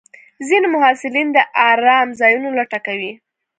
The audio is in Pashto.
ځینې محصلین د ارام ځایونو لټه کوي.